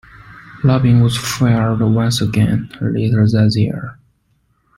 Labine was fired once again, later that year.